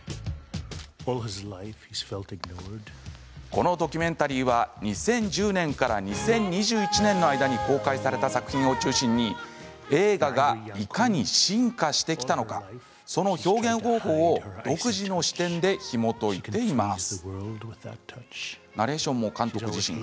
このドキュメンタリーは２０１０年から２０２１年の間に公開された作品を中心に映画がいかに進化してきたのかその表現方法を独自の視点でひもといていきます。